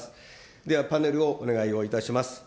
ではパネルをお願いをいたします。